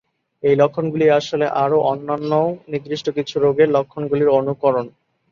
এই লক্ষণগুলি আসলে আরও অন্যান্য নির্দিষ্ট কিছু রোগের লক্ষণগুলির অনুকরণ।